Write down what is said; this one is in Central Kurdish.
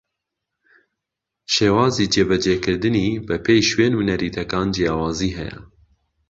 شێوازی جێبەجێکردنی بەپێی شوێن و نەریتەکان جیاوازی ھەیە